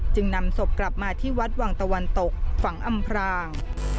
นำศพกลับมาที่วัดวังตะวันตกฝังอำพราง